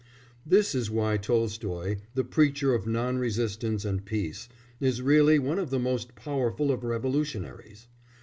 This is why Tolstoy, the preacher of non resistance and peace, is really one of the most powerful of revolutionaries.